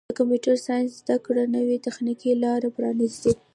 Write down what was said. د کمپیوټر ساینس زدهکړه نوې تخنیکي لارې پرانیزي.